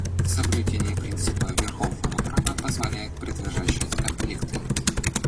Соблюдение принципа верховенства права позволяет предотвращать конфликты.